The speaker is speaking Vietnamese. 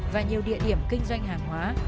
và nhiều địa điểm kinh doanh hàng hóa